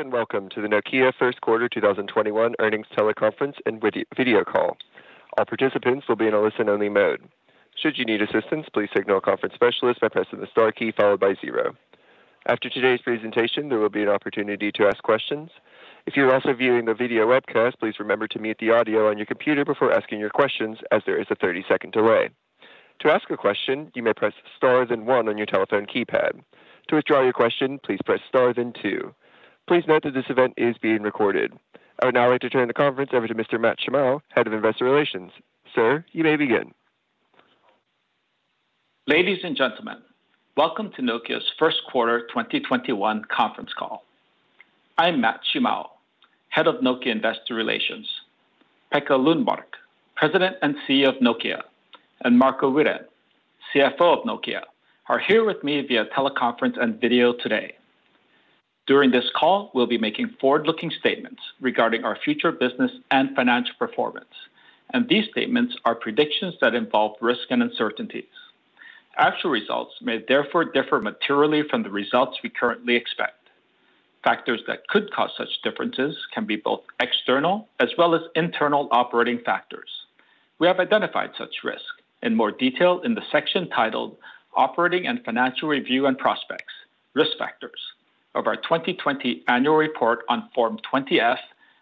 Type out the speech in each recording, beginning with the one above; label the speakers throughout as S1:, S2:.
S1: Hello, welcome to the Nokia First Quarter 2021 Earnings Teleconference and Video Call. All participants will be in a listen-only mode. Should you need assistance, please signal a conference specialist by pressing the star key followed by zero. After today's presentation, there will be an opportunity to ask questions. If you are also viewing the video webcast, please remember to mute the audio, and you can repeat it before asking your question, as there is a 30-second delay. To ask a question, you may press star then one on your telephone keypad. To withdraw your question, please press star then two. Please note that this event is being recorded. I would now like to turn the conference over to Mr. Matt Shimao, Head of Investor Relations. Sir, you may begin.
S2: Ladies and gentlemen, welcome to Nokia's First Quarter 2021 Conference Call. I'm Matt Shimao, Head of Nokia Investor Relations. Pekka Lundmark, President and CEO of Nokia, and Marco Wirén, CFO of Nokia, are here with me via teleconference and video today. During this call, we'll be making forward-looking statements regarding our future business and financial performance. These statements are predictions that involve risk and uncertainties. Actual results may therefore differ materially from the results we currently expect. Factors that could cause such differences can be both external as well as internal operating factors. We have identified such risks in more detail in the section titled "Operating and Financial Review and Prospects, Risk Factors" of our 2020 Annual Report on Form 20-F,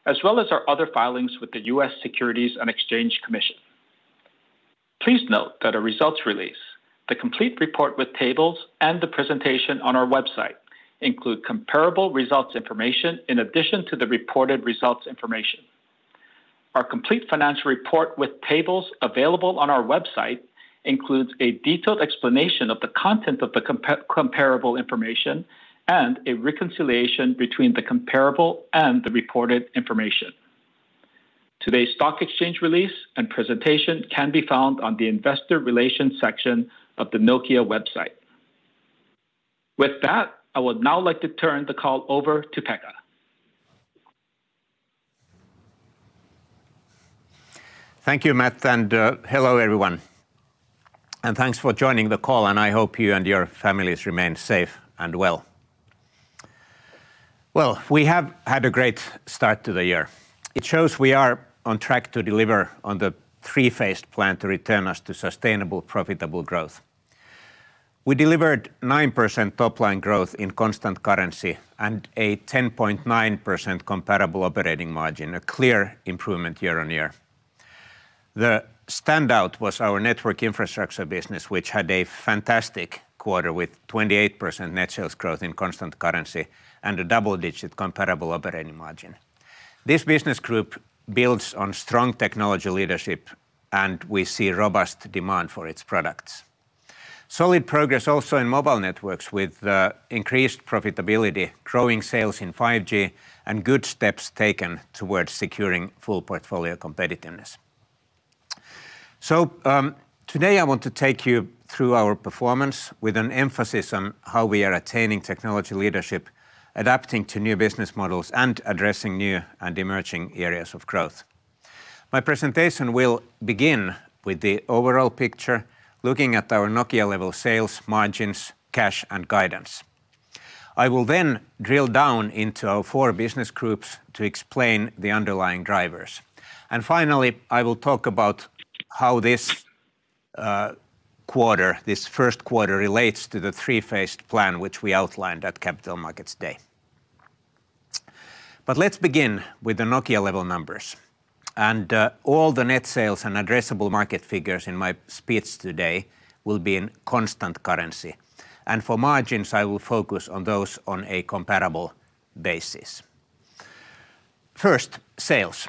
S2: as well as our other filings with the U.S. Securities and Exchange Commission. Please note that our results release, the complete report with tables, and the presentation on our website include comparable results information in addition to the reported results information. Our complete financial report with tables available on our website includes a detailed explanation of the content of the comparable information and a reconciliation between the comparable and the reported information. Today's stock exchange release and presentation can be found on the Investor Relations section of the Nokia website. With that, I would now like to turn the call over to Pekka.
S3: Thank you, Matt, and hello, everyone. Thanks for joining the call, and I hope you and your families remain safe and well. Well, we have had a great start to the year. It shows we are on track to deliver on the three-phased plan to return us to sustainable, profitable growth. We delivered 9% top-line growth in constant currency and a 10.9% comparable operating margin, a clear improvement year-on-year. The standout was our Network Infrastructure business, which had a fantastic quarter with 28% net sales growth in constant currency and a double-digit comparable operating margin. This business group builds on strong technology leadership, and we see robust demand for its products. Solid progress also in Mobile Networks with increased profitability, growing sales in 5G, and good steps taken towards securing full portfolio competitiveness. Today, I want to take you through our performance with an emphasis on how we are attaining technology leadership, adapting to new business models, and addressing new and emerging areas of growth. My presentation will begin with the overall picture, looking at our Nokia-level sales margins, cash, and guidance. I will then drill down into our four business groups to explain the underlying drivers. Finally, I will talk about how this quarter, this first quarter, relates to the three-phased plan which we outlined at Capital Markets Day. Let's begin with the Nokia-level numbers. All the net sales and addressable market figures in my speech today will be in constant currency. For margins, I will focus on those on a comparable basis. First, sales.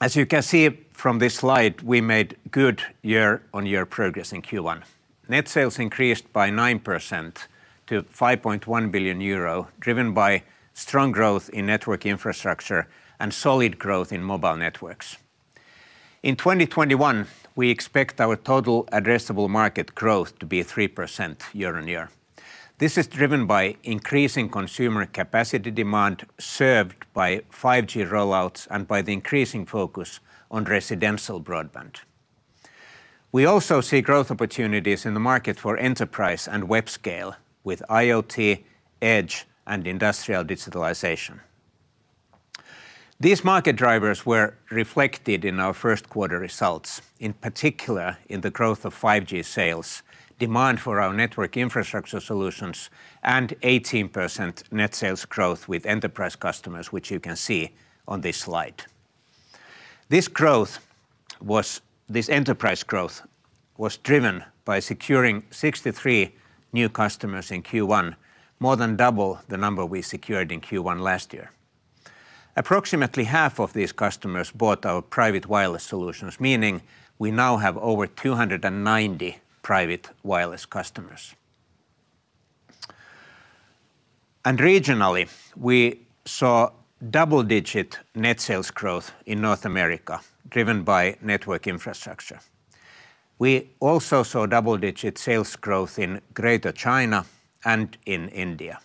S3: As you can see from this slide, we made good year-on-year progress in Q1. Net sales increased by 9% to 5.1 billion euro, driven by strong growth in Network Infrastructure and solid growth in Mobile Networks. In 2021, we expect our total addressable market growth to be 3% year-on-year. This is driven by increasing consumer capacity demand served by 5G roll-outs and by the increasing focus on residential broadband. We also see growth opportunities in the market for enterprise and web scale with IoT, Edge, and industrial digitalization. These market drivers were reflected in our first quarter results, in particular in the growth of 5G sales, demand for our Network Infrastructure solutions, and 18% net sales growth with enterprise customers, which you can see on this slide. This enterprise growth was driven by securing 63 new customers in Q1, more than double the number we secured in Q1 last year. Approximately half of these customers bought our private wireless solutions, meaning we now have over 290 private wireless customers. Regionally, we saw double-digit net sales growth in North America, driven by Network Infrastructure. We also saw double-digit sales growth in Greater China and in India.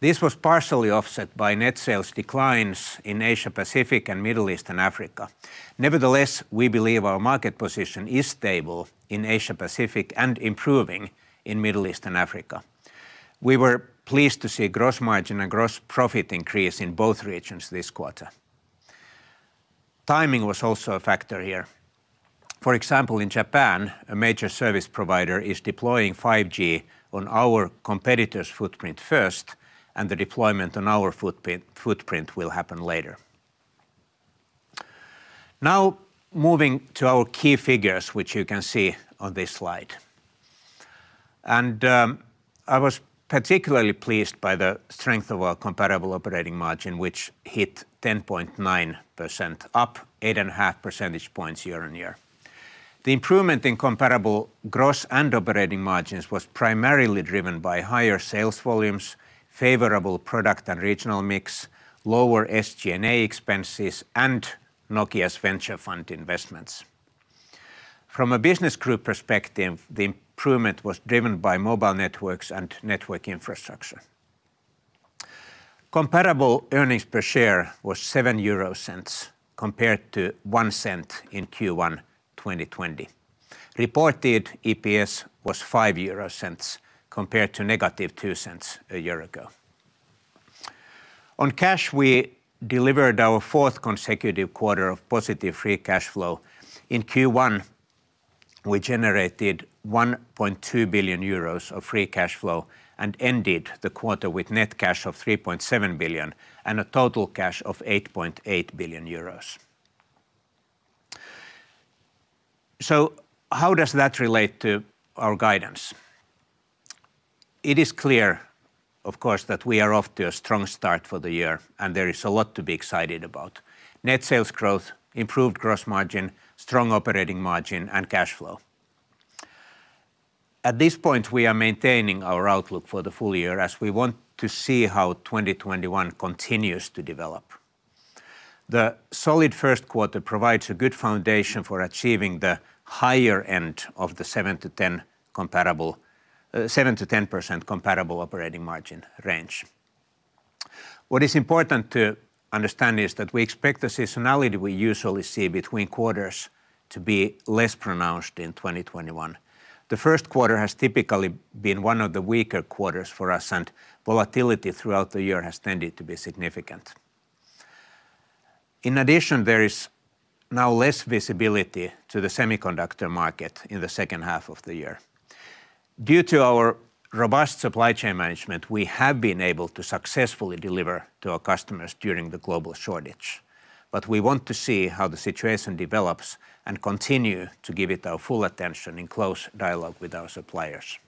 S3: This was partially offset by net sales declines in Asia-Pacific and Middle East and Africa. Nevertheless, we believe our market position is stable in Asia-Pacific and improving in Middle East and Africa. We were pleased to see gross margin and gross profit increase in both regions this quarter. Timing was also a factor here. For example, in Japan, a major service provider is deploying 5G on our competitor's footprint first, and the deployment on our footprint will happen later. Moving to our key figures, which you can see on this slide. I was particularly pleased by the strength of our comparable operating margin, which hit 10.9%, up eight and a half percentage points year-on-year. The improvement in comparable gross and operating margins was primarily driven by higher sales volumes, favorable product and regional mix, lower SG&A expenses, and Nokia's venture fund investments. From a business group perspective, the improvement was driven by Mobile Networks and Network Infrastructure. Comparable earnings per share was 0.07, compared to 0.01 in Q1 2020. Reported EPS was 0.05, compared to negative 0.02 a year ago. On cash, we delivered our fourth consecutive quarter of positive free cash flow. In Q1, we generated 1.2 billion euros of free cash flow and ended the quarter with net cash of 3.7 billion and a total cash of 8.8 billion euros. How does that relate to our guidance? It is clear, of course, that we are off to a strong start for the year, and there is a lot to be excited about. Net sales growth, improved gross margin, strong operating margin, and cash flow. At this point, we are maintaining our outlook for the full year, as we want to see how 2021 continues to develop. The solid first quarter provides a good foundation for achieving the higher end of the 7%-10% comparable operating margin range. What is important to understand is that we expect the seasonality we usually see between quarters to be less pronounced in 2021. The first quarter has typically been one of the weaker quarters for us, and volatility throughout the year has tended to be significant. In addition, there is now less visibility to the semiconductor market in the second half of the year. Due to our robust supply chain management, we have been able to successfully deliver to our customers during the global shortage. We want to see how the situation develops and continue to give it our full attention in close dialogue with our suppliers.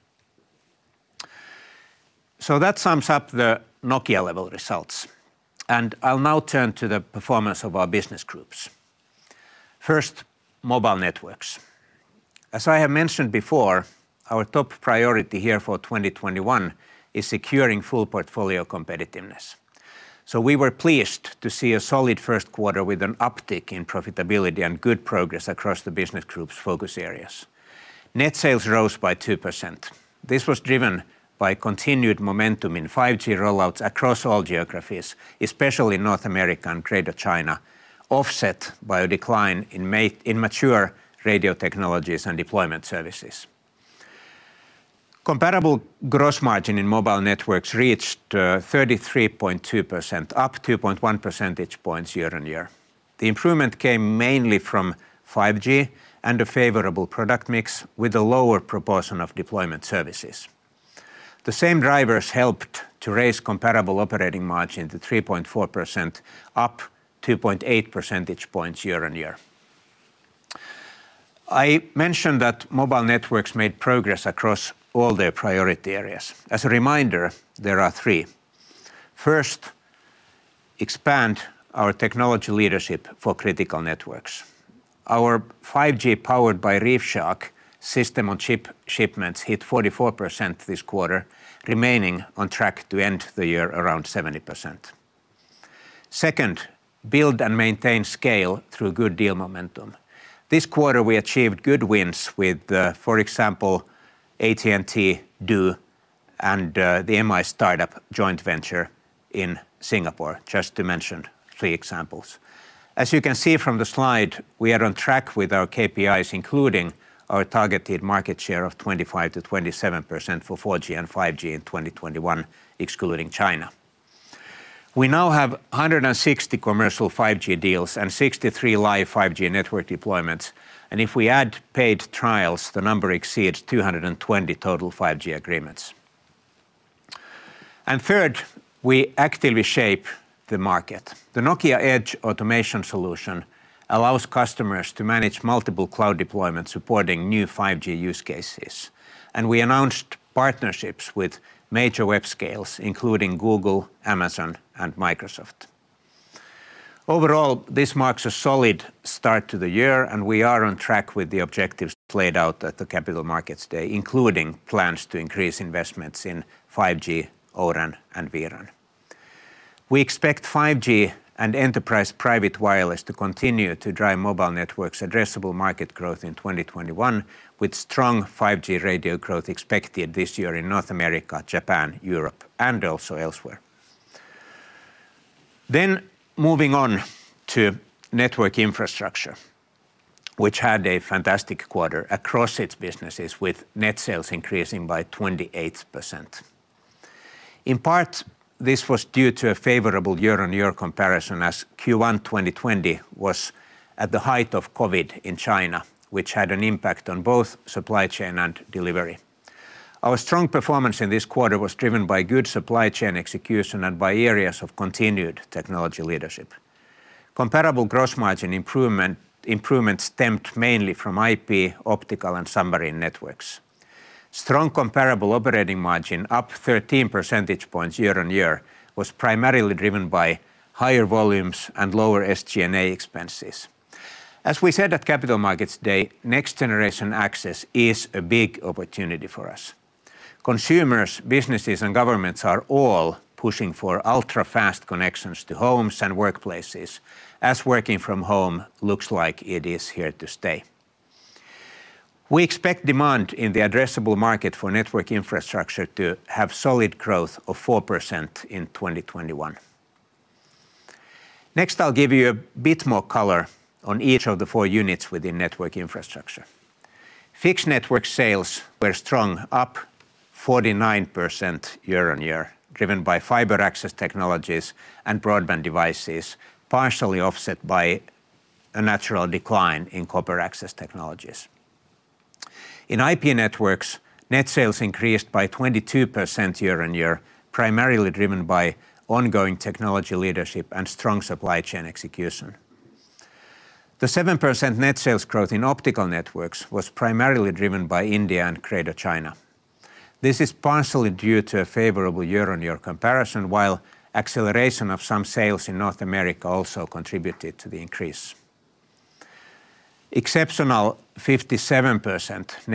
S3: That sums up the Nokia-level results, and I'll now turn to the performance of our business groups. First, Mobile Networks. As I have mentioned before, our top priority here for 2021 is securing full portfolio competitiveness. We were pleased to see a solid first quarter with an uptick in profitability and good progress across the business group's focus areas. Net sales rose by 2%. This was driven by continued momentum in 5G roll-outs across all geographies, especially North America and Greater China, offset by a decline in mature radio technologies and deployment services. Comparable gross margin in Mobile Networks reached 33.2%, up 2.1 percentage points year-on-year. The improvement came mainly from 5G and a favorable product mix with a lower proportion of deployment services. The same drivers helped to raise comparable operating margin to 3.4%, up 2.8 percentage points year-on-year. I mentioned that Mobile Networks made progress across all their priority areas. As a reminder, there are three. First, expand our technology leadership for critical networks. Our 5G powered by ReefShark System-on-Chip shipments hit 44% this quarter, remaining on track to end the year around 70%. Second, build and maintain scale through good deal momentum. This quarter, we achieved good wins with, for example, AT&T, du, and the M1-StarHub joint venture in Singapore, just to mention three examples. As you can see from the slide, we are on track with our KPIs, including our targeted market share of 25%-27% for 4G and 5G in 2021, excluding China. We now have 160 commercial 5G deals and 63 live 5G network deployments. If we add paid trials, the number exceeds 220 total 5G agreements. Third, we actively shape the market. The Nokia Edge Automation solution allows customers to manage multiple cloud deployments supporting new 5G use cases. We announced partnerships with major web scales, including Google, Amazon, and Microsoft. Overall, this marks a solid start to the year, and we are on track with the objectives laid out at the Capital Markets Day, including plans to increase investments in 5G, O-RAN, and vRAN. We expect 5G and enterprise private wireless to continue to drive Mobile Networks addressable market growth in 2021, with strong 5G radio growth expected this year in North America, Japan, Europe, and also elsewhere. Moving on to Network Infrastructure, which had a fantastic quarter across its businesses with net sales increasing by 28%. In part, this was due to a favorable year-on-year comparison as Q1 2020 was at the height of COVID in China, which had an impact on both supply chain and delivery. Our strong performance in this quarter was driven by good supply chain execution and by areas of continued technology leadership. Comparable gross margin improvement stemmed mainly from IP, Optical, and Submarine Networks. Strong comparable operating margin, up 13 percentage points year-on-year, was primarily driven by higher volumes and lower SG&A expenses. As we said at Capital Markets Day, next-generation access is a big opportunity for us. Consumers, businesses, and governments are all pushing for ultra-fast connections to homes and workplaces as working from home looks like it is here to stay. We expect demand in the addressable market for Network Infrastructure to have solid growth of 4% in 2021. Next, I'll give you a bit more color on each of the four units within Network Infrastructure. Fixed Network sales were strong, up 49% year-on-year, driven by fiber access technologies and broadband devices, partially offset by a natural decline in copper access technologies. In IP Networks, net sales increased by 22% year-on-year, primarily driven by ongoing technology leadership and strong supply chain execution. The 7% net sales growth in Optical Networks was primarily driven by India and Greater China. This is partially due to a favorable year-on-year comparison, while acceleration of some sales in North America also contributed to the increase. Exceptional 57%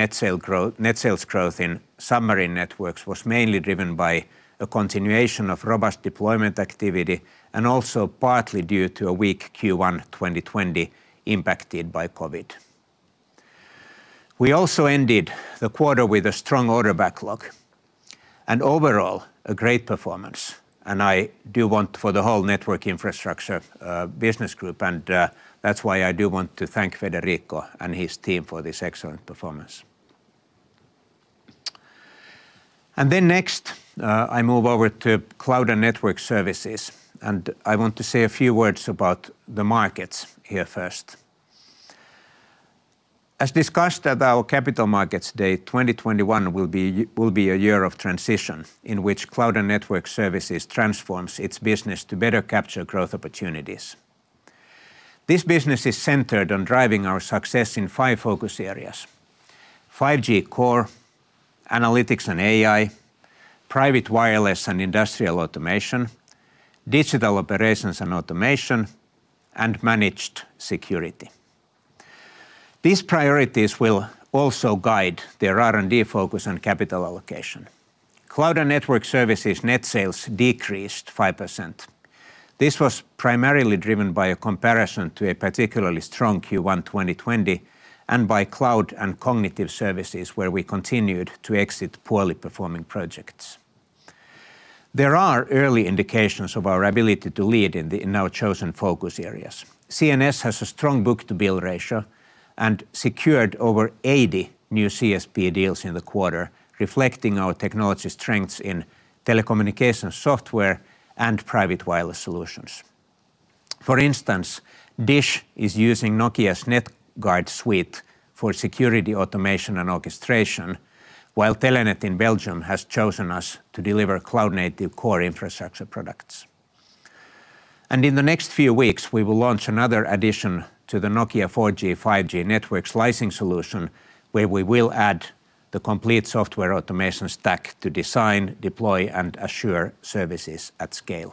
S3: net sales growth in Submarine Networks was mainly driven by a continuation of robust deployment activity and also partly due to a weak Q1 2020 impacted by COVID. We also ended the quarter with a strong order backlog and overall a great performance. I do want for the whole Network Infrastructure business group, and that's why I do want to thank Federico and his team for this excellent performance. Next, I move over to Cloud and Network Services. I want to say a few words about the markets here first. As discussed at our Capital Markets Day, 2021 will be a year of transition in which Cloud and Network Services transforms its business to better capture growth opportunities. This business is centered on driving our success in five focus areas: 5G core, analytics and AI, private wireless and industrial automation, digital operations and automation, and managed security. These priorities will also guide their R&D focus on capital allocation. Cloud and Network Services net sales decreased 5%. This was primarily driven by a comparison to a particularly strong Q1 2020 and by cloud and cognitive services, where we continued to exit poorly performing projects. There are early indications of our ability to lead in our chosen focus areas. CNS has a strong book-to-bill ratio and secured over 80 new CSP deals in the quarter, reflecting our technology strengths in telecommunications software and private wireless solutions. For instance, DISH is using Nokia's NetGuard suite for security automation and orchestration, while Telenet in Belgium has chosen us to deliver cloud-native core infrastructure products. In the next few weeks, we will launch another addition to the Nokia 4G/5G network slicing solution, where we will add the complete software automation stack to design, deploy, and assure services at scale.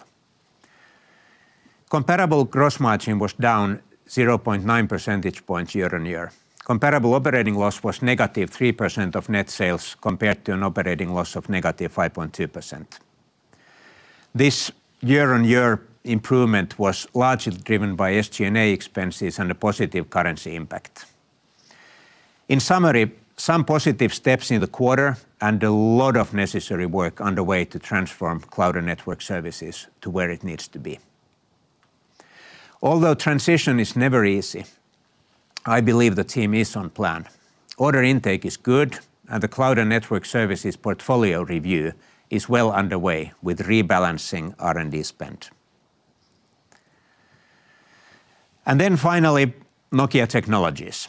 S3: Comparable gross margin was down 0.9 percentage points year-on-year. Comparable operating loss was negative 3% of net sales compared to an operating loss of negative 5.2%. This year-on-year improvement was largely driven by SG&A expenses and a positive currency impact. In summary, some positive steps in the quarter and a lot of necessary work underway to transform Cloud and Network Services to where it needs to be. Although transition is never easy, I believe the team is on plan. Order intake is good and the Cloud and Network Services portfolio review is well underway with rebalancing R&D spend. Then finally, Nokia Technologies.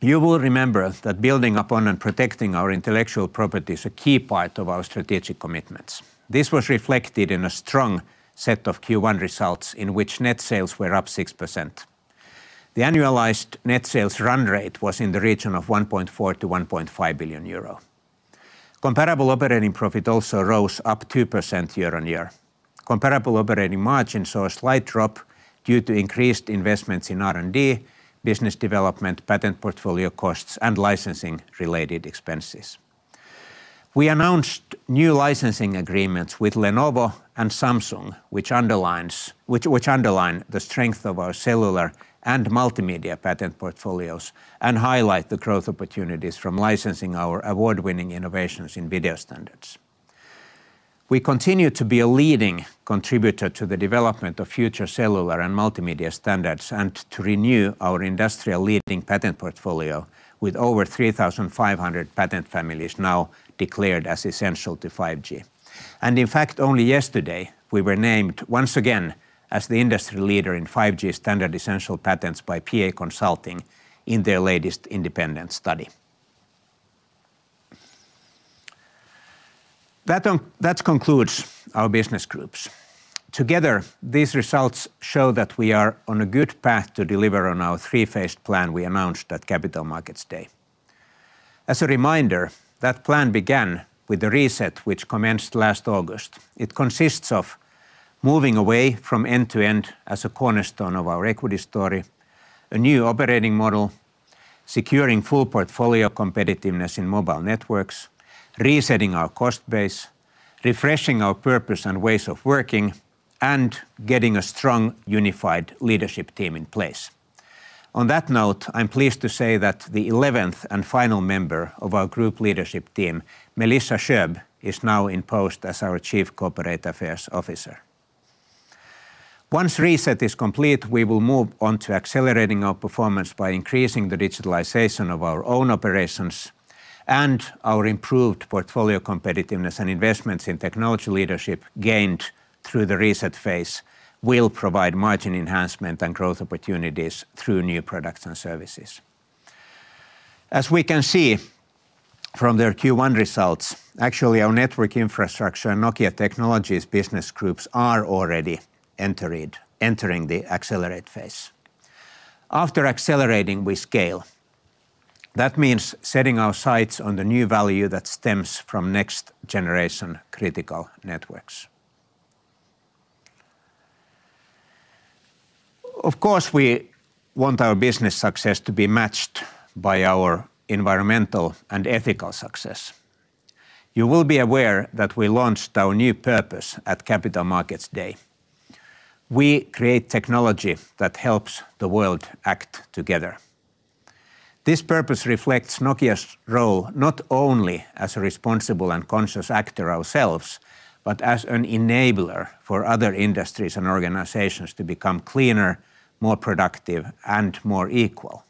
S3: You will remember that building upon and protecting our intellectual property is a key part of our strategic commitments. This was reflected in a strong set of Q1 results in which net sales were up 6%. The annualized net sales run rate was in the region of 1.4 billion-1.5 billion euro. Comparable operating profit also rose up 2% year-on-year. Comparable operating margin saw a slight drop due to increased investments in R&D, business development, patent portfolio costs, and licensing-related expenses. We announced new licensing agreements with Lenovo and Samsung, which underline the strength of our cellular and multimedia patent portfolios and highlight the growth opportunities from licensing our award-winning innovations in video standards. We continue to be a leading contributor to the development of future cellular and multimedia standards, and to renew our industrial leading patent portfolio with over 3,500 patent families now declared as essential to 5G. In fact, only yesterday, we were named once again as the industry leader in 5G standard essential patents by PA Consulting in their latest independent study. That concludes our business groups. Together, these results show that we are on a good path to deliver on our three-phased plan we announced at Capital Markets Day. As a reminder, that plan began with the reset, which commenced last August. It consists of moving away from end-to-end as a cornerstone of our equity story, a new operating model, securing full portfolio competitiveness in Mobile Networks, resetting our cost base, refreshing our purpose and ways of working, and getting a strong, unified leadership team in place. On that note, I'm pleased to say that the 11th and final member of our group leadership team, Melissa Schoeb, is now in post as our Chief Corporate Affairs Officer. Once reset is complete, we will move on to accelerating our performance by increasing the digitalization of our own operations, and our improved portfolio competitiveness and investments in technology leadership gained through the reset phase will provide margin enhancement and growth opportunities through new products and services. As we can see from their Q1 results, actually, our Network Infrastructure and Nokia Technologies business groups are already entering the accelerate phase. After accelerating, we scale. That means setting our sights on the new value that stems from next-generation critical networks. Of course, we want our business success to be matched by our environmental and ethical success. You will be aware that we launched our new purpose at Capital Markets Day. We create technology that helps the world act together. This purpose reflects Nokia's role not only as a responsible and conscious actor ourselves, but as an enabler for other industries and organizations to become cleaner, more productive, and more equal.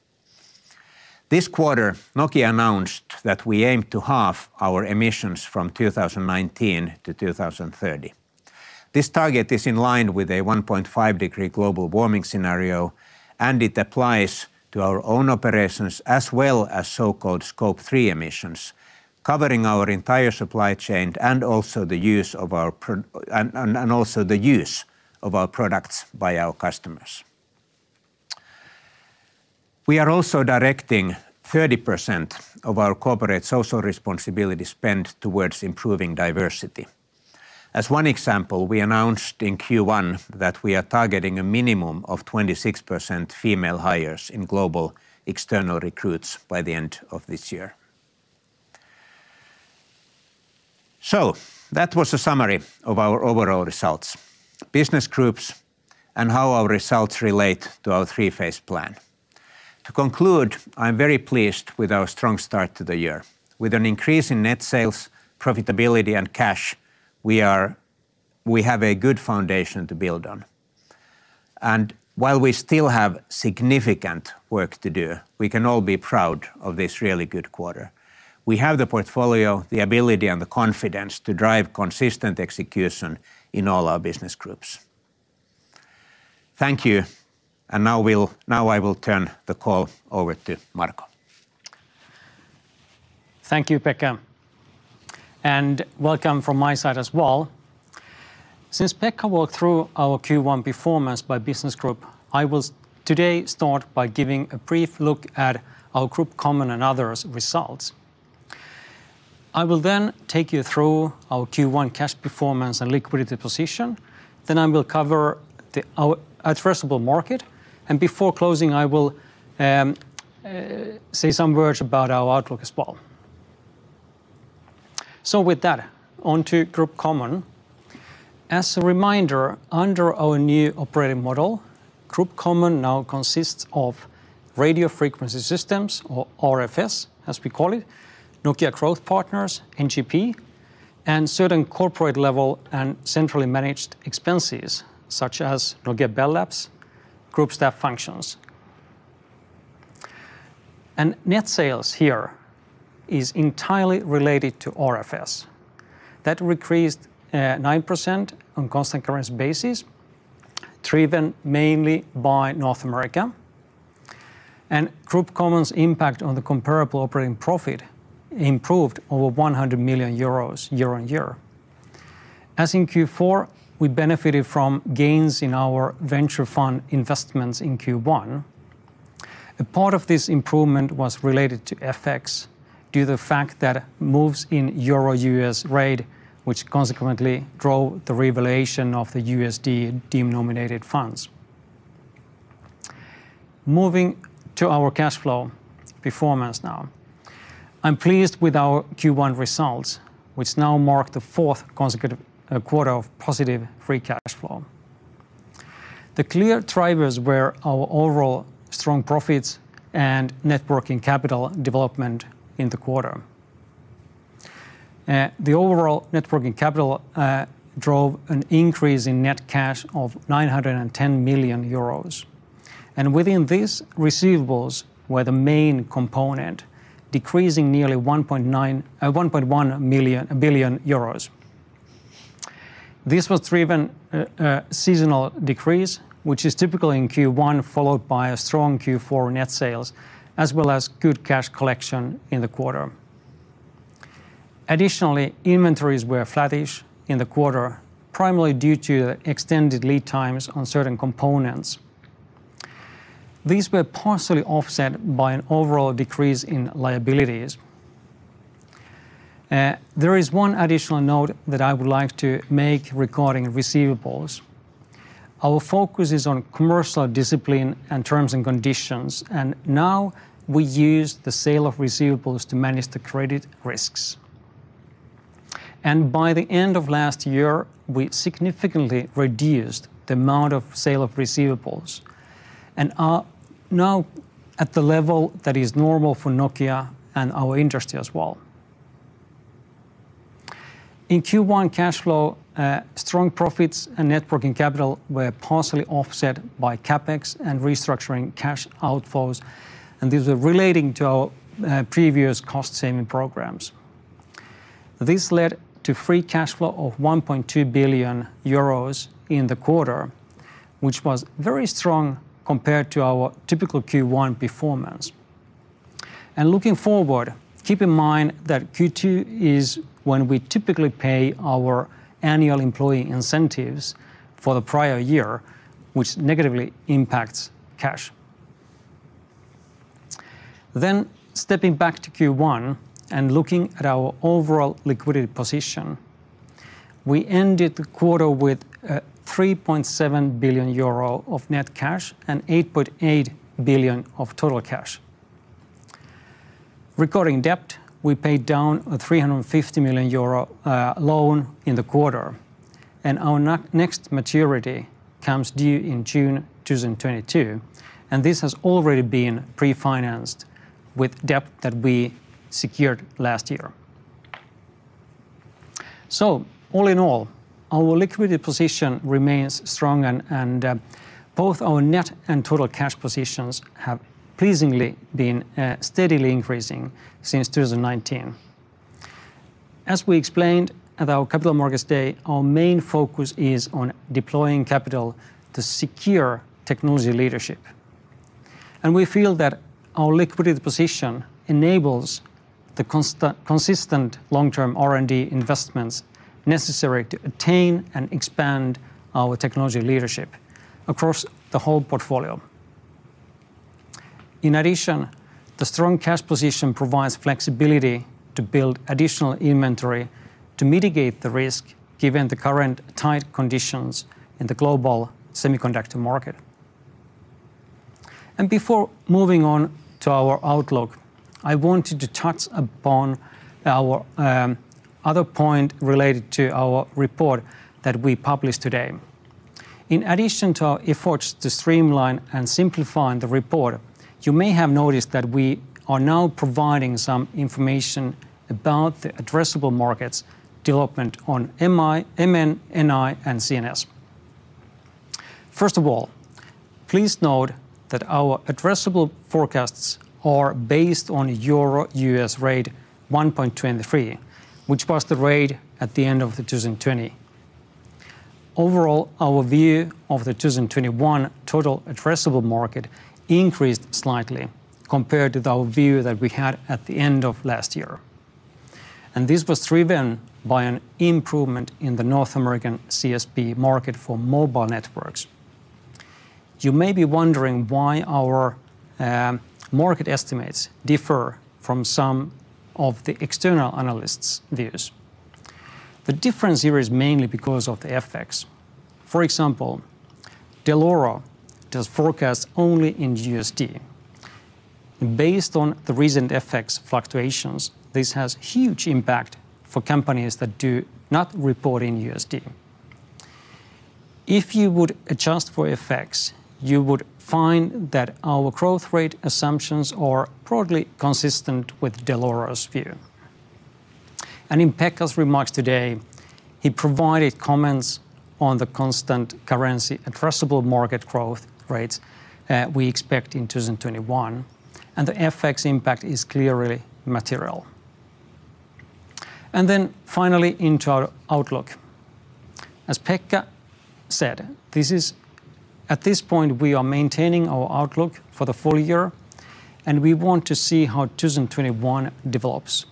S3: This quarter, Nokia announced that we aim to halve our emissions from 2019 to 2030. This target is in line with a 1.5-degree global warming scenario, and it applies to our own operations as well as so-called Scope 3 emissions, covering our entire supply chain and also the use of our products by our customers. We are also directing 30% of our corporate social responsibility spend towards improving diversity. As one example, we announced in Q1 that we are targeting a minimum of 26% female hires in global external recruits by the end of this year. That was a summary of our overall results, business groups, and how our results relate to our three-phase plan. To conclude, I am very pleased with our strong start to the year. With an increase in net sales, profitability, and cash, we have a good foundation to build on. While we still have significant work to do, we can all be proud of this really good quarter. We have the portfolio, the ability, and the confidence to drive consistent execution in all our business groups. Thank you. Now I will turn the call over to Marco.
S4: Thank you, Pekka. Welcome from my side as well. Since Pekka walked through our Q1 performance by business group, I will today start by giving a brief look at our Group Common and Others results. I will then take you through our Q1 cash performance and liquidity position. I will cover our addressable market. Before closing, I will say some words about our outlook as well. With that, on to Group Common. As a reminder, under our new operating model, Group Common now consists of Radio Frequency Systems, or RFS, as we call it, Nokia Growth Partners, NGP, and certain corporate-level and centrally managed expenses, such as Nokia Bell Labs, group staff functions. Net sales here is entirely related to RFS. That increased 9% on constant currency basis, driven mainly by North America. Group Common's impact on the comparable operating profit improved over 100 million euros year-on-year. As in Q4, we benefited from gains in our venture fund investments in Q1. A part of this improvement was related to FX, due to the fact that moves in Euro-US rate, which consequently drove the revaluation of the USD-denominated funds. Moving to our cash flow performance now. I'm pleased with our Q1 results, which now mark the fourth consecutive quarter of positive free cash flow. The clear drivers were our overall strong profits and net working capital development in the quarter. The overall net working capital drove an increase in net cash of 910 million euros. Within these receivables were the main component, decreasing nearly 1.1 billion euros. This was driven, seasonal decrease, which is typical in Q1, followed by a strong Q4 net sales, as well as good cash collection in the quarter. Additionally, inventories were flattish in the quarter, primarily due to extended lead times on certain components. These were partially offset by an overall decrease in liabilities. There is one additional note that I would like to make regarding receivables. Our focus is on commercial discipline and terms and conditions, and now we use the sale of receivables to manage the credit risks. By the end of last year, we significantly reduced the amount of sale of receivables and are now at the level that is normal for Nokia and our industry as well. In Q1 cash flow, strong profits and net working capital were partially offset by CapEx and restructuring cash outflows, and these were relating to our previous cost-saving programs. This led to free cash flow of 1.2 billion euros in the quarter, which was very strong compared to our typical Q1 performance. Looking forward, keep in mind that Q2 is when we typically pay our annual employee incentives for the prior year, which negatively impacts cash. Stepping back to Q1 and looking at our overall liquidity position, we ended the quarter with 3.7 billion euro of net cash and 8.8 billion of total cash. Regarding debt, we paid down a 350 million euro loan in the quarter, and our next maturity comes due in June 2022, and this has already been pre-financed with debt that we secured last year. All in all, our liquidity position remains strong and both our net and total cash positions have pleasingly been steadily increasing since 2019. As we explained at our Capital Markets Day, our main focus is on deploying capital to secure technology leadership. We feel that our liquidity position enables the consistent long-term R&D investments necessary to attain and expand our technology leadership across the whole portfolio. In addition, the strong cash position provides flexibility to build additional inventory to mitigate the risk given the current tight conditions in the global semiconductor market. Before moving on to our outlook, I wanted to touch upon our other point related to our report that we published today. In addition to our efforts to streamline and simplify the report, you may have noticed that we are now providing some information about the addressable markets development on MI, MN, NI, and CNS. First of all, please note that our addressable forecasts are based on EUR/USD rate 1.23, which was the rate at the end of 2020. Overall, our view of the 2021 total addressable market increased slightly compared to the view that we had at the end of last year. This was driven by an improvement in the North American CSP market for Mobile Networks. You may be wondering why our market estimates differ from some of the external analysts' views. The difference here is mainly because of the FX. For example, Dell'Oro does forecast only in USD. Based on the recent FX fluctuations, this has huge impact for companies that do not report in USD. If you would adjust for FX, you would find that our growth rate assumptions are broadly consistent with Dell'Oro's view. In Pekka's remarks today, he provided comments on the constant currency addressable market growth rates we expect in 2021, and the FX impact is clearly material. Finally, into our outlook. As Pekka said, at this point, we are maintaining our outlook for the full year, and we want to see how 2021 develops.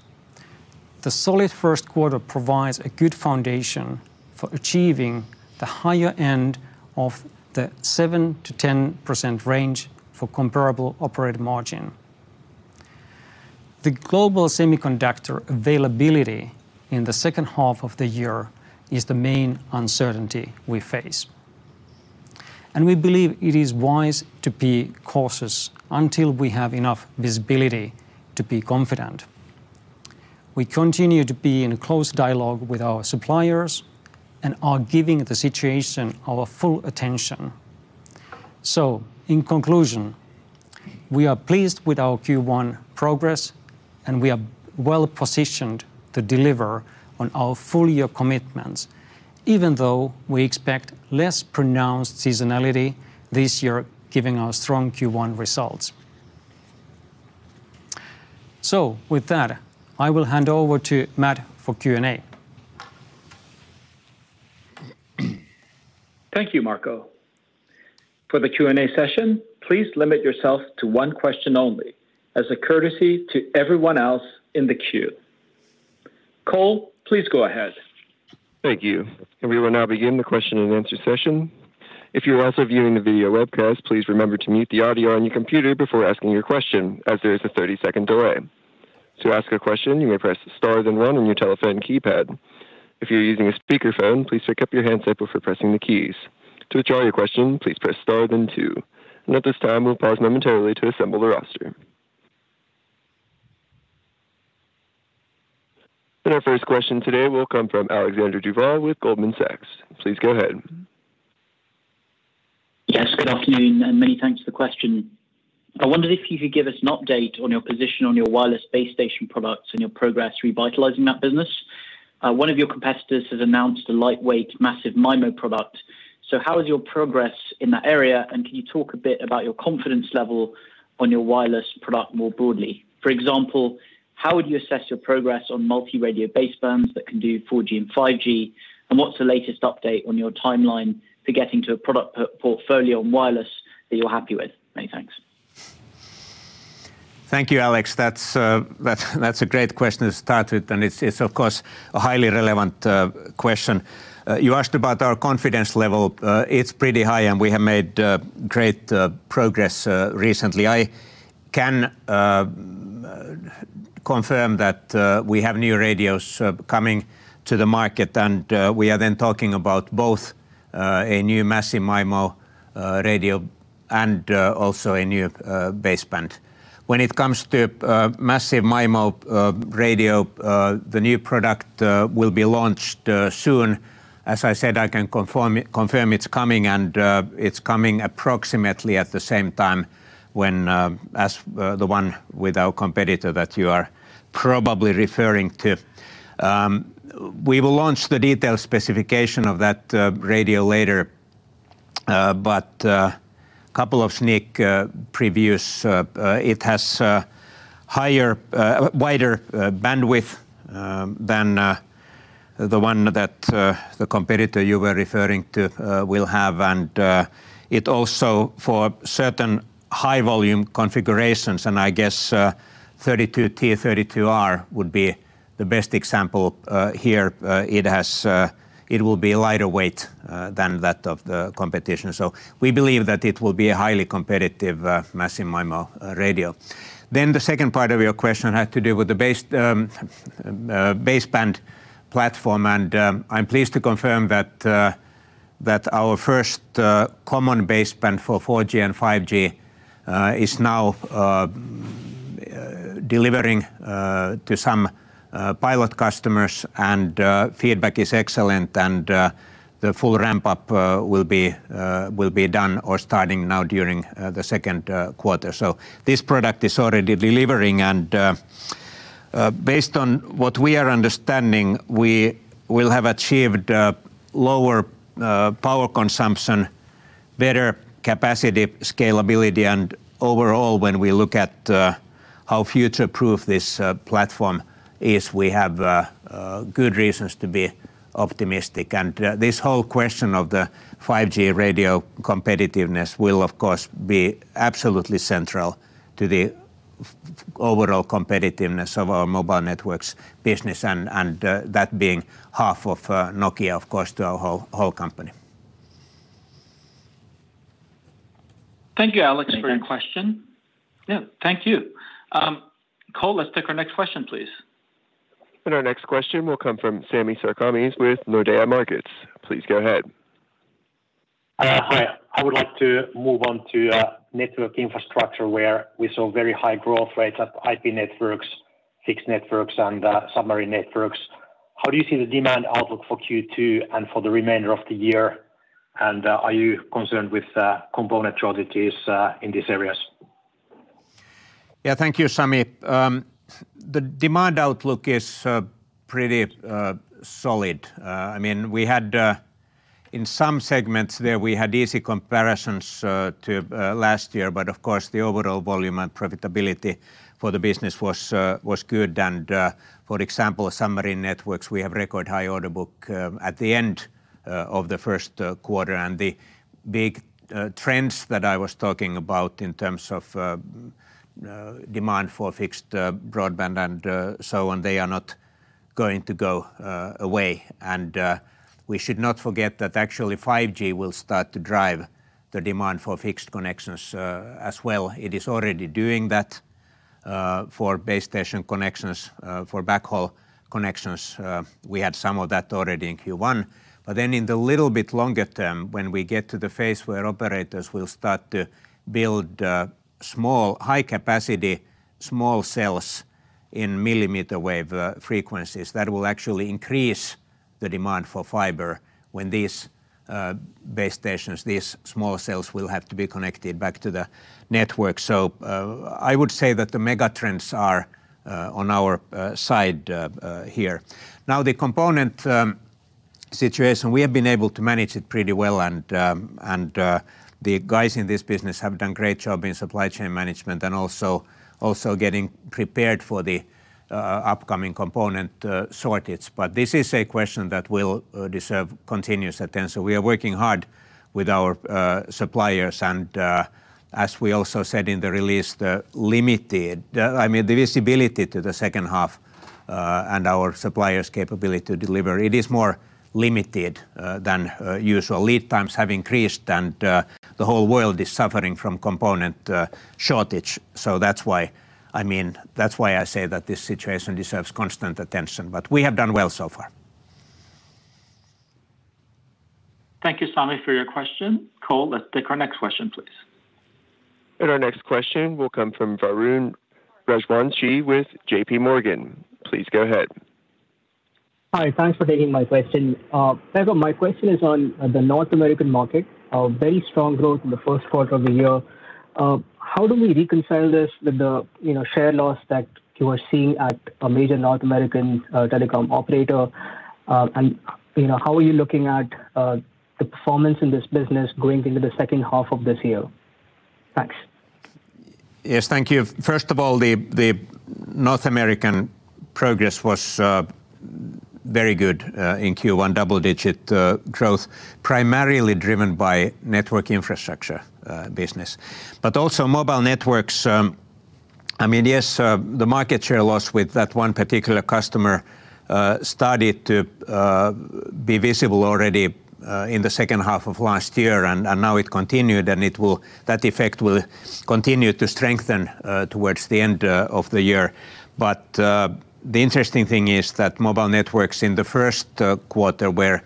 S4: The solid first quarter provides a good foundation for achieving the higher end of the 7%-10% range for comparable operating margin. The global semiconductor availability in the second half of the year is the main uncertainty we face. We believe it is wise to be cautious until we have enough visibility to be confident. We continue to be in close dialogue with our suppliers and are giving the situation our full attention. In conclusion, we are pleased with our Q1 progress, and we are well-positioned to deliver on our full-year commitments, even though we expect less pronounced seasonality this year, giving our strong Q1 results. With that, I will hand over to Matt for Q&A.
S2: Thank you, Marco. For the Q&A session, please limit yourself to one question only as a courtesy to everyone else in the queue. Cole, please go ahead.
S1: Thank you. We will now begin the question and answer session. If you're also viewing the video webcast, please remember to mute the audio on your computer before asking your question, as there is a 30-second delay. To ask a question, you may press star then one on your telephone keypad. If you're using a speakerphone, please pick up your handset before pressing the keys. To withdraw your question, please press star then two. At this time, we'll pause momentarily to assemble the roster. Our first question today will come from Alexander Duval with Goldman Sachs. Please go ahead.
S5: Yes, good afternoon, many thanks for the question. I wondered if you could give us an update on your position on your wireless base station products and your progress revitalizing that business. One of your competitors has announced a lightweight massive MIMO product. How is your progress in that area, and can you talk a bit about your confidence level on your wireless product more broadly? For example, how would you assess your progress on multi-radio basebands that can do 4G and 5G? What's the latest update on your timeline for getting to a product portfolio on wireless that you're happy with? Many thanks.
S3: Thank you, Alex. That's a great question to start with, and it's of course a highly relevant question. You asked about our confidence level. It's pretty high, and we have made great progress recently. I can confirm that we have new radios coming to the market, and we are then talking about both a new massive MIMO radio and also a new baseband. When it comes to massive MIMO radio, the new product will be launched soon. As I said, I can confirm it's coming, and it's coming approximately at the same time as the one with our competitor that you are probably referring to. We will launch the detailed specification of that radio later. Couple of sneak previews. It has wider bandwidth than the one that the competitor you were referring to will have. It also, for certain high volume configurations, and I guess 32T32R would be the best example here. It will be lighter weight than that of the competition. We believe that it will be a highly competitive massive MIMO radio. The second part of your question had to do with the baseband platform, and I'm pleased to confirm that our first common baseband for 4G and 5G is now delivering to some pilot customers, and feedback is excellent. The full ramp-up will be done or starting now during the second quarter. This product is already delivering, and based on what we are understanding, we will have achieved lower power consumption, better capacity, scalability, and overall, when we look at how future-proof this platform is, we have good reasons to be optimistic. This whole question of the 5G radio competitiveness will, of course, be absolutely central to the overall competitiveness of our Mobile Networks Business and that being half of Nokia, of course, to our whole company.
S2: Thank you, Alex, for your question.
S5: Thank you.
S2: Yeah. Thank you. Cole, let's take our next question, please.
S1: Our next question will come from Sami Sarkamies with Nordea Markets. Please go ahead.
S6: Hi. I would like to move on to Network Infrastructure, where we saw very high growth rates at IP Networks, Fixed Networks, and Submarine Networks. How do you see the demand outlook for Q2 and for the remainder of the year? Are you concerned with component shortages in these areas?
S3: Yeah. Thank you, Sami. The demand outlook is pretty solid. In some segments there, we had easy comparisons to last year, but of course, the overall volume and profitability for the business was good. For example, Submarine Networks, we have record high order book at the end of the first quarter. The big trends that I was talking about in terms of demand for fixed broadband and so on, they are not going to go away. We should not forget that actually 5G will start to drive the demand for fixed connections as well. It is already doing that for base station connections for backhaul connections. We had some of that already in Q1. In the little bit longer term, when we get to the phase where operators will start to build high capacity small cells in millimeter wave frequencies, that will actually increase the demand for fiber when these base stations, these small cells will have to be connected back to the network. I would say that the mega trends are on our side here. Now, the component situation, we have been able to manage it pretty well and the guys in this business have done great job in supply chain management and also getting prepared for the upcoming component shortage. This is a question that will deserve continuous attention. We are working hard with our suppliers and, as we also said in the release, the visibility to the second half, and our suppliers' capability to deliver it is more limited than usual. Lead times have increased, and the whole world is suffering from component shortage. That's why I say that this situation deserves constant attention, but we have done well so far.
S2: Thank you, Sami, for your question. Cole, let's take our next question, please.
S1: Our next question will come from Arun Deshpande with JPMorgan. Please go ahead.
S7: Hi. Thanks for taking my question. Pekka, my question is on the North American market, very strong growth in the first quarter of the year. How do we reconcile this with the share loss that you are seeing at a major North American telecom operator? How are you looking at the performance in this business going into the second half of this year? Thanks.
S3: Yes, thank you. The North American progress was very good in Q1, double-digit growth, primarily driven by Network Infrastructure business. Also Mobile Networks, yes, the market share loss with that one particular customer, started to be visible already in the second half of last year, and now it continued, and that effect will continue to strengthen towards the end of the year. The interesting thing is that Mobile Networks in the first quarter were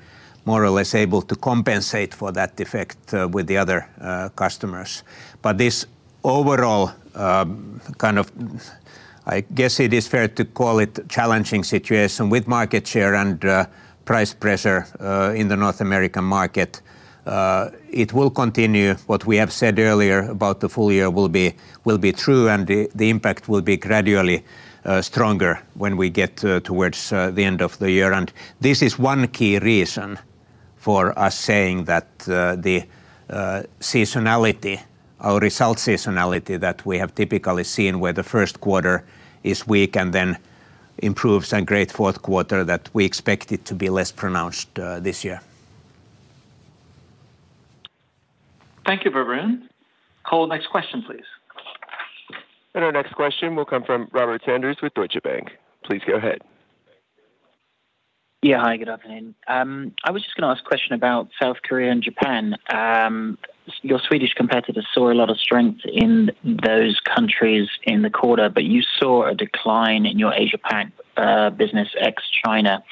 S3: more or less able to compensate for that effect with the other customers. This overall, I guess it is fair to call it challenging situation with market share and price pressure in the North American market. It will continue. What we have said earlier about the full year will be true, and the impact will be gradually stronger when we get towards the end of the year. This is one key reason for us saying that the seasonality, our result seasonality that we have typically seen where the first quarter is weak and then improves and great fourth quarter, we expect it to be less pronounced this year.
S2: Thank you, Arun. Cole, next question, please.
S1: Our next question will come from Robert Sanders with Deutsche Bank. Please go ahead.
S8: Yeah. Hi, good afternoon. I was just going to ask a question about South Korea and Japan. Your Swedish competitor saw a lot of strength in those countries in the quarter, but you saw a decline in your Asia Pac business, ex-China.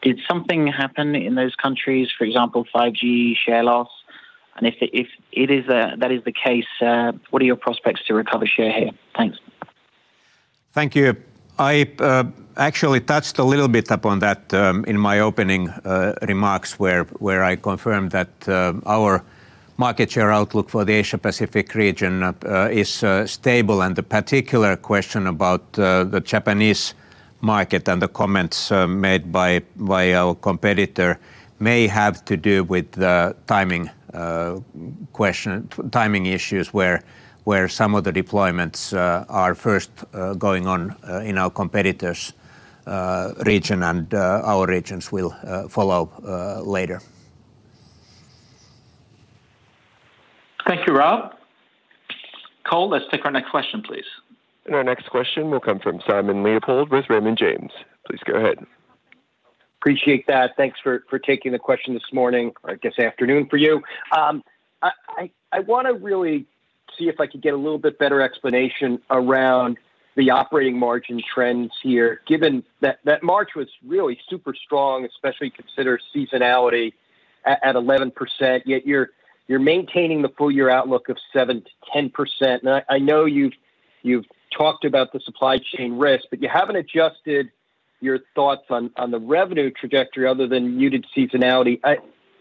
S8: Did something happen in those countries, for example, 5G share loss? If that is the case, what are your prospects to recover share here? Thanks.
S3: Thank you. I actually touched a little bit upon that in my opening remarks where I confirmed that our market share outlook for the Asia Pacific region is stable. The particular question about the Japanese market and the comments made by our competitor may have to do with timing issues where some of the deployments are first going on in our competitor's region and our regions will follow later.
S2: Thank you, Rob. Cole, let's take our next question, please.
S1: Our next question will come from Simon Leopold with Raymond James. Please go ahead.
S9: Appreciate that. Thanks for taking the question this morning, or I guess afternoon for you. I want to really see if I could get a little bit better explanation around the operating margin trends here, given that March was really super strong, especially considering seasonality at 11%, yet you're maintaining the full year outlook of 7%-10%. I know you've talked about the supply chain risk, but you haven't adjusted your thoughts on the revenue trajectory other than muted seasonality.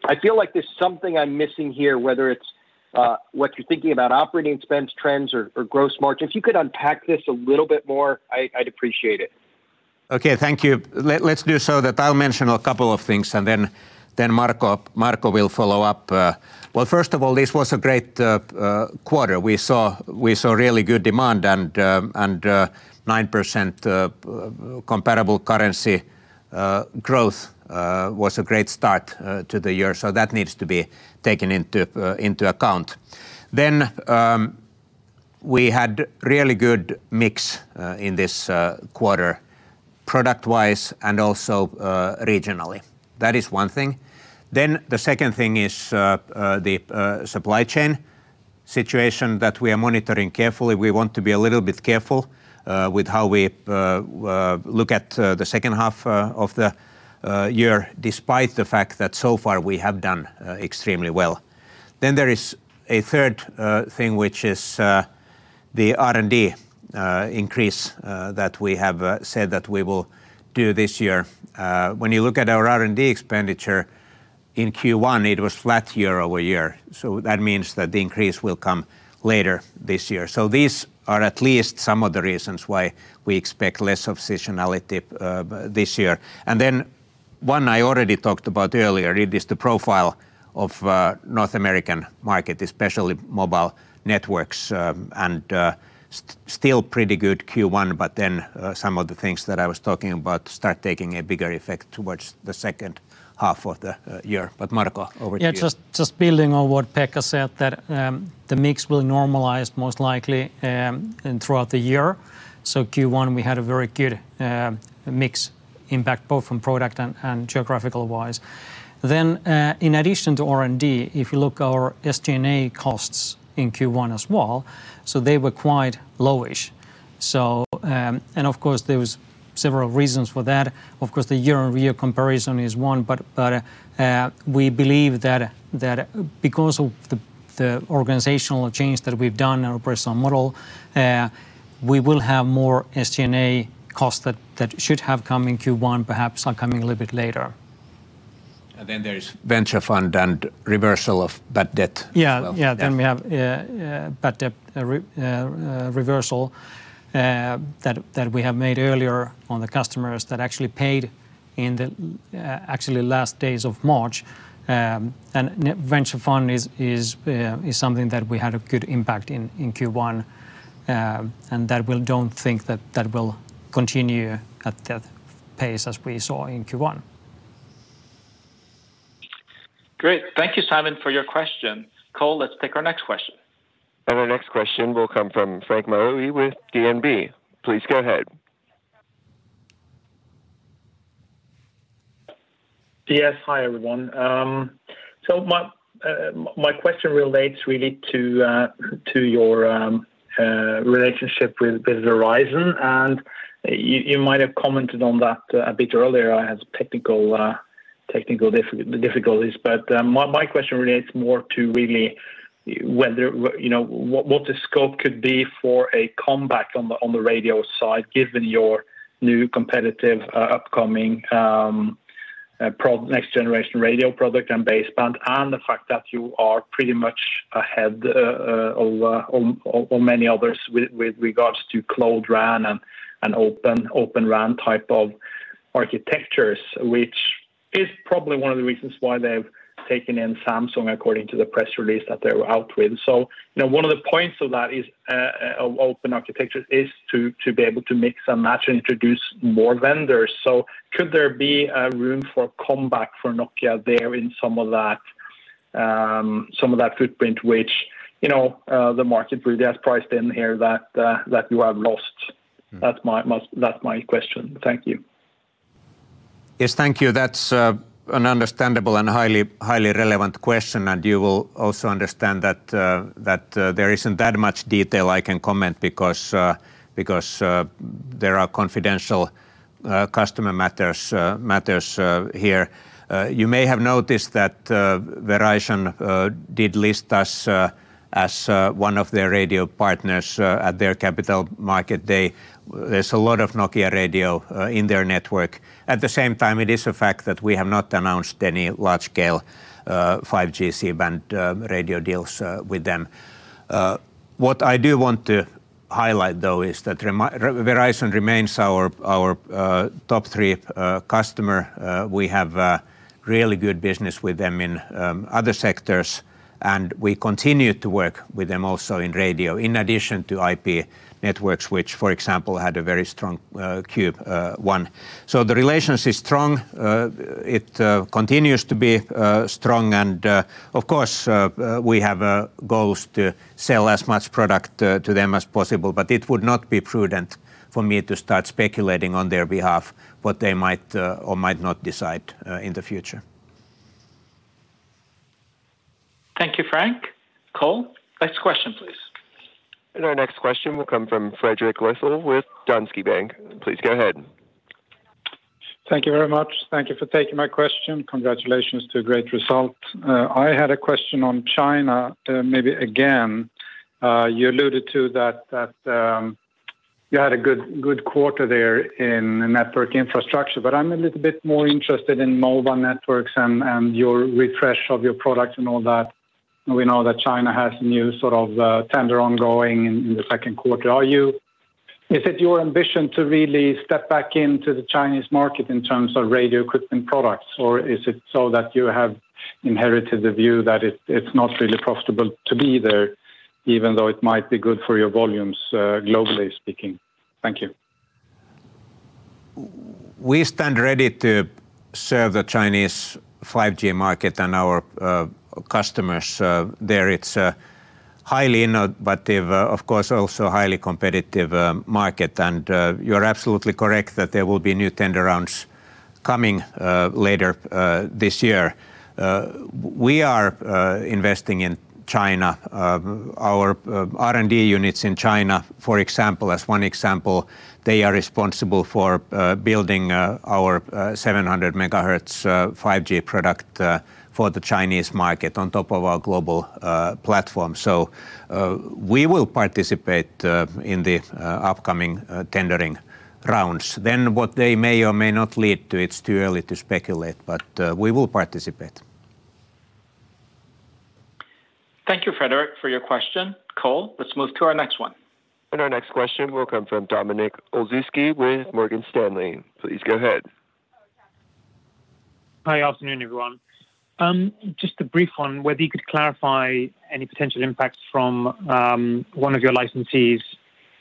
S9: I feel like there's something I'm missing here, whether it's what you're thinking about operating expense trends or gross margin. If you could unpack this a little bit more, I'd appreciate it.
S3: Thank you. Let's do so that I'll mention a couple of things, and Marco will follow up. First of all, this was a great quarter. We saw really good demand and 9% comparable currency growth was a great start to the year. That needs to be taken into account. We had really good mix in this quarter, product-wise and also regionally. That is one thing. The second thing is the supply chain situation that we are monitoring carefully. We want to be a little bit careful with how we look at the second half of the year, despite the fact that so far we have done extremely well. There is a third thing, which is the R&D increase that we have said that we will do this year. When you look at our R&D expenditure in Q1, it was flat year-over-year. That means that the increase will come later this year. These are at least some of the reasons why we expect less of seasonality this year. One I already talked about earlier, it is the profile of North American market, especially Mobile Networks. Still pretty good Q1, but then some of the things that I was talking about start taking a bigger effect towards the second half of the year. Marco, over to you.
S4: Just building on what Pekka said, that the mix will normalize most likely throughout the year. Q1, we had a very good mix impact, both from product and geographical wise. In addition to R&D, if you look our SG&A costs in Q1 as well, they were quite low-ish. Of course there was several reasons for that. Of course, the year-on-year comparison is one, we believe that because of the organizational change that we've done in our operating model, we will have more SG&A costs that should have come in Q1 perhaps are coming a little bit later.
S3: There is venture fund and reversal of bad debt as well.
S4: Yeah. We have bad debt reversal that we have made earlier on the customers that actually paid in the actually last days of March. Venture fund is something that we had a good impact in Q1, and that we don't think that will continue at that pace as we saw in Q1.
S2: Great. Thank you, Simon, for your question. Cole, let's take our next question.
S1: Our next question will come from Frank Maaø with DNB. Please go ahead.
S10: Yes. Hi, everyone. My question relates really to your relationship with Verizon, and you might have commented on that a bit earlier. I had technical difficulties. My question relates more to really what the scope could be for a comeback on the radio side, given your new competitive upcoming next generation radio product and baseband, and the fact that you are pretty much ahead of many others with regards to Cloud RAN and Open RAN type of architectures, which is probably one of the reasons why they've taken in Samsung according to the press release that they were out with. One of the points of that is open architecture is to be able to mix and match and introduce more vendors. Could there be a room for comeback for Nokia there in some of that footprint, which the market really has priced in here that you have lost? That's my question. Thank you.
S3: Thank you. That's an understandable and highly relevant question, you will also understand that there isn't that much detail I can comment because there are confidential customer matters here. You may have noticed that Verizon did list us as one of their radio partners at their Capital Markets Day. There's a lot of Nokia radio in their network. At the same time, it is a fact that we have not announced any large-scale 5G C-band radio deals with them. What I do want to highlight though is that Verizon remains our top three customer. We have really good business with them in other sectors, we continue to work with them also in radio, in addition to IP Networks, which, for example, had a very strong Q1. The relationship is strong. It continues to be strong and, of course, we have goals to sell as much product to them as possible. It would not be prudent for me to start speculating on their behalf what they might or might not decide in the future.
S2: Thank you, Frank. Cole, next question please.
S1: Our next question will come from Fredrik Westell with Danske Bank. Please go ahead.
S11: Thank you very much. Thank you for taking my question. Congratulations to a great result. I had a question on China, maybe again. You alluded to that you had a good quarter there in Network Infrastructure, but I'm a little bit more interested in Mobile Networks and your refresh of your products and all that. We know that China has new sort of tender ongoing in the second quarter. Is it your ambition to really step back into the Chinese market in terms of radio equipment products, or is it so that you have inherited the view that it's not really profitable to be there, even though it might be good for your volumes, globally speaking? Thank you.
S3: We stand ready to serve the Chinese 5G market and our customers there. It's a highly innovative, of course, also highly competitive market. You're absolutely correct that there will be new tender rounds coming later this year. We are investing in China. Our R&D units in China, as one example, they are responsible for building our 700 MHz 5G product for the Chinese market on top of our global platform. We will participate in the upcoming tendering rounds. What they may or may not lead to, it's too early to speculate, but we will participate.
S2: Thank you, Fredrik, for your question. Cole, let's move to our next one.
S1: Our next question will come from Dominik Olszewski with Morgan Stanley. Please go ahead.
S12: Hi. Afternoon, everyone. Just a brief one, whether you could clarify any potential impacts from one of your licensees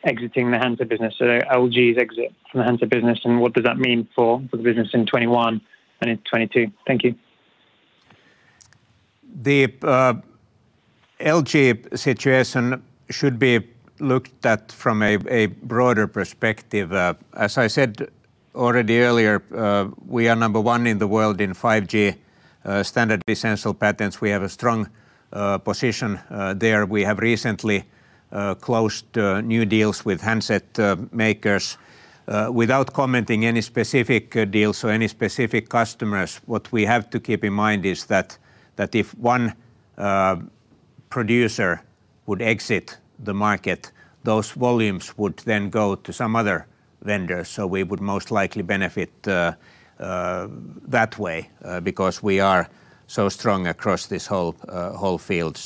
S12: exiting the handset business. LG's exit from the handset business, and what does that mean for the business in 2021 and in 2022? Thank you.
S3: The LG situation should be looked at from a broader perspective. As I said already earlier, we are number one in the world in 5G standard essential patents. We have a strong position there. We have recently closed new deals with handset makers. Without commenting any specific deals or any specific customers, what we have to keep in mind is that if one producer would exit the market, those volumes would then go to some other vendor. We would most likely benefit that way because we are so strong across this whole field.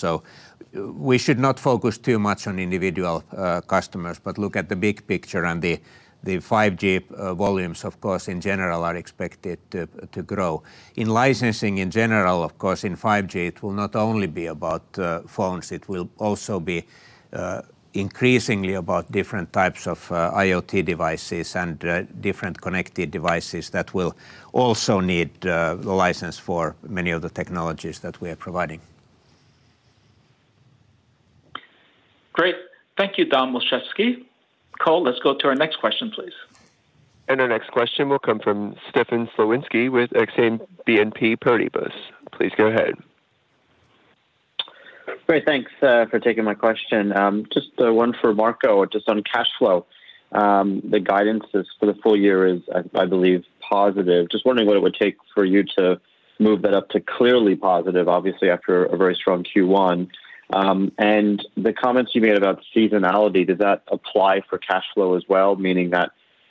S3: We should not focus too much on individual customers, but look at the big picture and the 5G volumes, of course, in general, are expected to grow. In licensing in general, of course, in 5G, it will not only be about phones, it will also be increasingly about different types of IoT devices and different connected devices that will also need the license for many of the technologies that we are providing.
S2: Great. Thank you, Dom Olszewski. Cole, let's go to our next question, please.
S1: Our next question will come from Stefan Slowinski with Exane BNP Paribas. Please go ahead.
S13: Great. Thanks for taking my question. Just one for Marco, just on cash flow. The guidance for the full year is, I believe, positive. Just wondering what it would take for you to move that up to clearly positive, obviously after a very strong Q1. The comments you made about seasonality, does that apply for cash flow as well, meaning that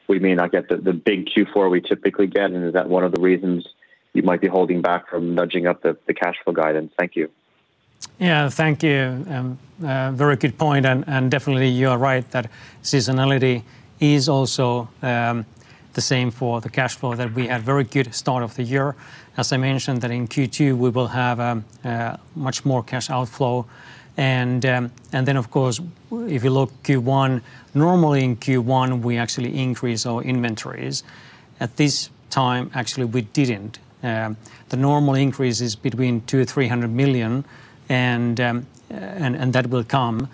S13: we may not get the big Q4 we typically get, and is that one of the reasons you might be holding back from nudging up the cash flow guidance? Thank you.
S4: Yeah. Thank you. Very good point, and definitely you are right that seasonality is also the same for the cash flow, that we had very good start of the year. As I mentioned that in Q2, we will have much more cash outflow. Then, of course, if you look Q1, normally in Q1, we actually increase our inventories. At this time, actually, we didn't. The normal increase is between 200 million-300 million, and that will come.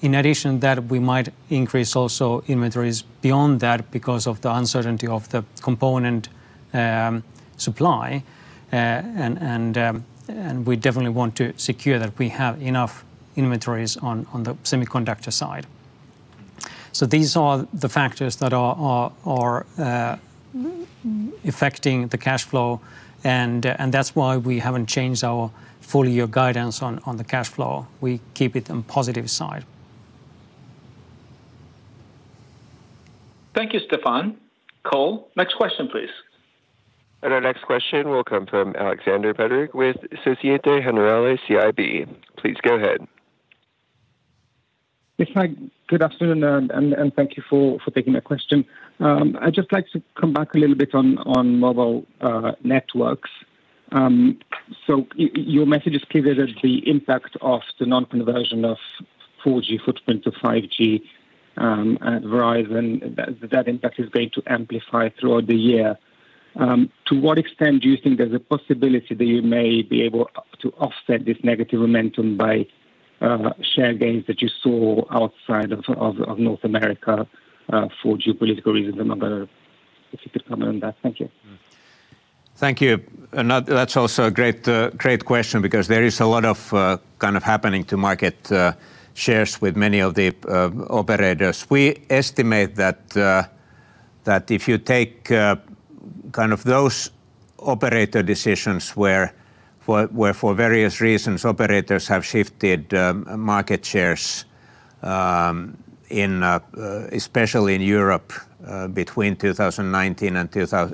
S4: In addition, that we might increase also inventories beyond that because of the uncertainty of the component supply, and we definitely want to secure that we have enough inventories on the semiconductor side. These are the factors that are affecting the cash flow, and that's why we haven't changed our full-year guidance on the cash flow. We keep it on positive side.
S2: Thank you, Stefan. Cole, next question, please.
S1: Our next question will come from Aleksander Peterc with Société Générale CIB. Please go ahead.
S14: Yes. Hi. Good afternoon, and thank you for taking my question. I'd just like to come back a little bit on Mobile Networks. Your message is clear that the impact of the non-conversion of 4G footprint to 5G at Verizon, that impact is going to amplify throughout the year. To what extent do you think there's a possibility that you may be able to offset this negative momentum by share gains that you saw outside of North America for geopolitical reasons and whatever? If you could comment on that. Thank you.
S3: Thank you. That's also a great question because there is a lot of happening to market shares with many of the operators. We estimate that if you take those operator decisions where for various reasons, operators have shifted market shares, especially in Europe between 2019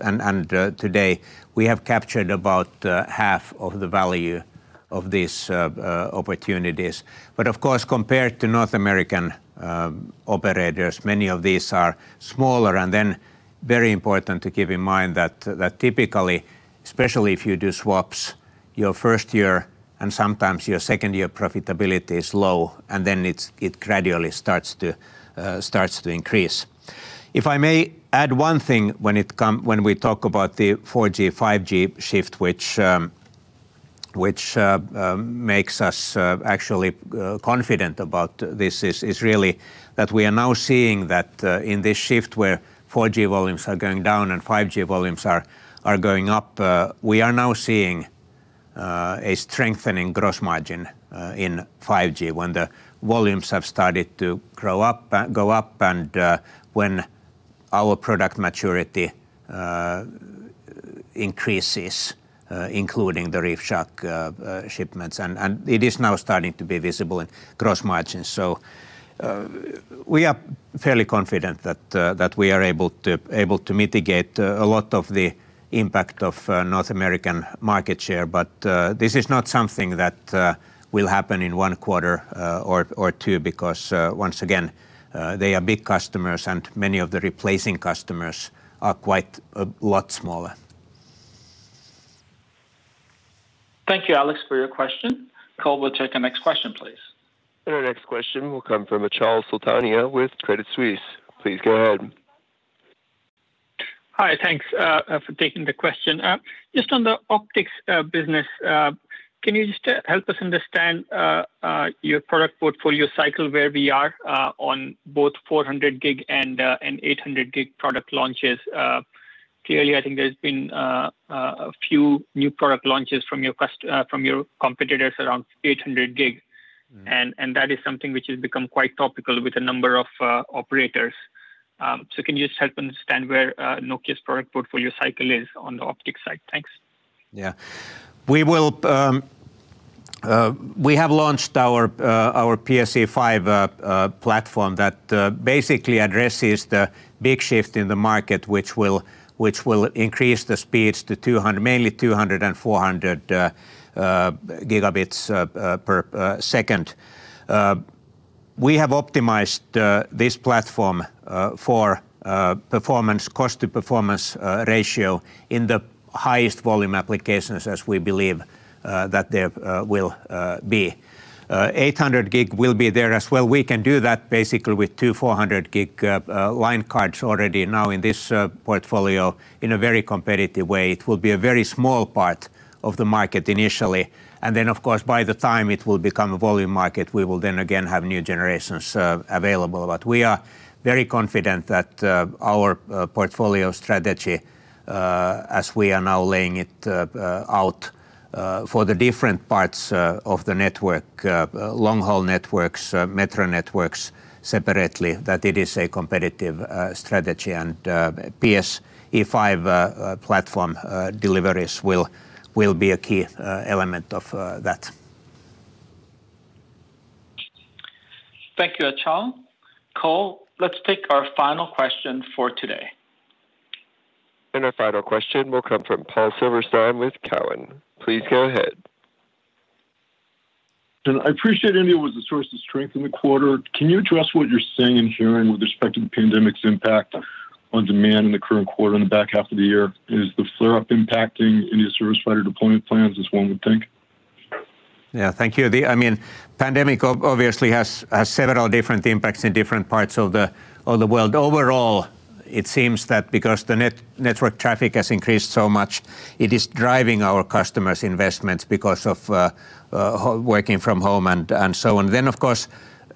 S3: and today, we have captured about half of the value of these opportunities. Of course, compared to North American operators, many of these are smaller, and then very important to keep in mind that typically, especially if you do swaps, your first year and sometimes your second-year profitability is low, and then it gradually starts to increase. If I may add one thing when we talk about the 4G/5G shift, which makes us actually confident about this is really that we are now seeing that in this shift where 4G volumes are going down and 5G volumes are going up. We are now seeing a strengthening gross margin in 5G when the volumes have started to go up and when our product maturity increases including the ReefShark shipments. It is now starting to be visible in gross margins. We are fairly confident that we are able to mitigate a lot of the impact of North American market share, but this is not something that will happen in one quarter or two because, once again, they are big customers and many of the replacing customers are quite a lot smaller.
S2: Thank you, Alex, for your question. Cole, we'll take our next question, please.
S1: Our next question will come from Achal Sultania with Credit Suisse. Please go ahead.
S15: Hi. Thanks for taking the question. Just on the optics business, can you just help us understand your product portfolio cycle, where we are on both 400G and 800G product launches? I think there's been a few new product launches from your competitors around 800G. That is something which has become quite topical with a number of operators. Can you just help understand where Nokia's product portfolio cycle is on the optics side? Thanks.
S3: We have launched our PSE-V platform that basically addresses the big shift in the market, which will increase the speeds to mainly 200 Gb and 400 Gb per second. We have optimized this platform for the cost-to-performance ratio in the highest volume applications as we believe that there will be. 800G will be there as well. We can do that basically with two 400G line cards already now in this portfolio in a very competitive way. It will be a very small part of the market initially. Of course, by the time it will become a volume market, we will then again have new generations available. We are very confident that our portfolio strategy, as we are now laying it out for the different parts of the network, long-haul networks, metro networks separately, that it is a competitive strategy. PSE-V platform deliveries will be a key element of that.
S2: Thank you, Achal. Cole, let's take our final question for today.
S1: Our final question will come from Paul Silverstein with Cowen. Please go ahead.
S16: I appreciate India was a source of strength in the quarter. Can you address what you're seeing and hearing with respect to the pandemic's impact on demand in the current quarter and the back half of the year? Is the flare-up impacting any service provider deployment plans as one would think?
S3: Thank you. Pandemic obviously has several different impacts in different parts of the world. Overall, it seems that because the network traffic has increased so much, it is driving our customers' investments because of working from home and so on. Of course,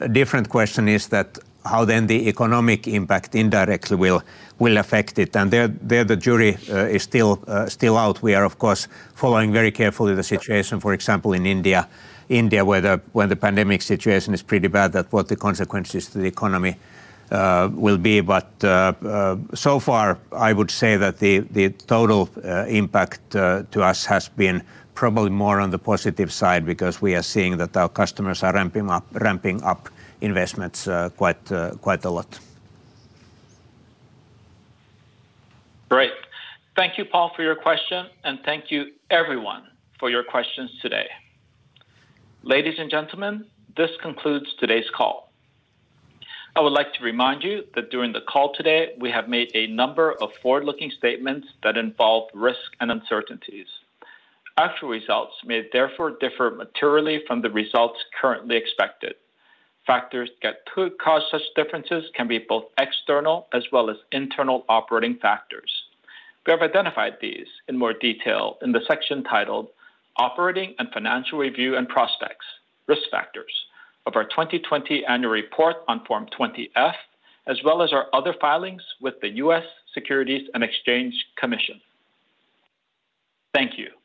S3: a different question is that how then the economic impact indirectly will affect it. There, the jury is still out. We are, of course, following very carefully the situation, for example, in India, where the pandemic situation is pretty bad, that what the consequences to the economy will be. So far, I would say that the total impact to us has been probably more on the positive side because we are seeing that our customers are ramping up investments quite a lot.
S2: Great. Thank you, Paul, for your question. Thank you, everyone, for your questions today. Ladies and gentlemen, this concludes today's call. I would like to remind you that during the call today, we have made a number of forward-looking statements that involve risk and uncertainties. Actual results may therefore differ materially from the results currently expected. Factors that could cause such differences can be both external as well as internal operating factors. We have identified these in more detail in the section titled "Operating and Financial Review and Prospects - Risk Factors" of our 2020 Annual Report on Form 20-F, as well as our other filings with the U.S. Securities and Exchange Commission. Thank you.